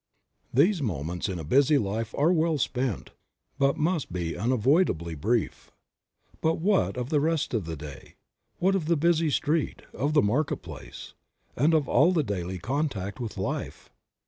These moments in a busy life are well spent, but must unavoidably be brief. But what of the rest of the day; what of the busy street, of the market place, and of all the daily contact with life?